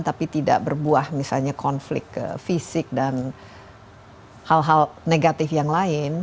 tapi tidak berbuah misalnya konflik fisik dan hal hal negatif yang lain